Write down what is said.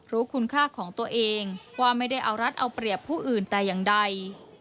รู้คุณค่าของตัวเองว่าไม่ได้เอารัฐเอาเปรียบผู้อื่นแต่อย่างใด